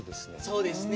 そうですね。